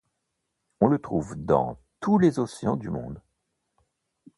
On le trouve dans tous les océans du monde.